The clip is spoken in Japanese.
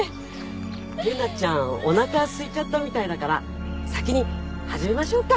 優奈ちゃんおなかすいちゃったみたいだから先に始めましょうか？